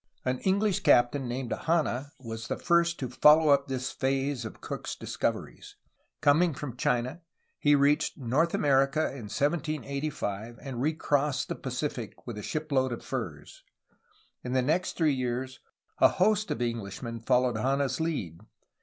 An English captain named Hanna was the first to follow up this phase of Cook's discoveries. Coming from China, he reached North America in 1785, and recrossed the Pacific with a shipload of furs. In the next three years a host of Englishmen followed Hanna's lead.